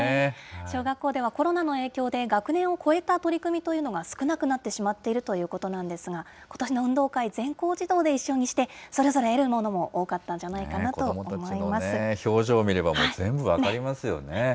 小学校ではコロナの影響で、学年を超えた取り組みというのが、少なくなってしまっているということなんですが、ことしの運動会、全校児童で一緒にして、それぞれ得るものも多かったんじゃないか子どもたちの表情を見れば、もう全部分かりますよね。